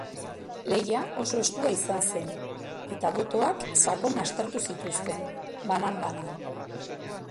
Lehia oso estua izan zen, eta botoak sakon aztertu zituzten, banan-banan.